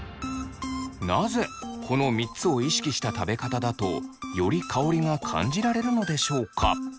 なぜこの３つを意識した食べ方だとより香りが感じられるのでしょうか？